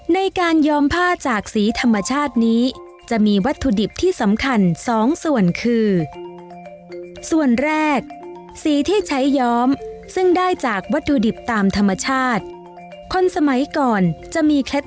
ในการยอมผ้าจากสีธรรมชาตินี้จะมีวัตถุดิบที่สำคัญสองส่วนคือส่วนแรกสีที่ใช้ย้อมซึ่งได้จากวัตถุดิบตามธรรมชาติคนสมัยก่อนจะมีเคล็ด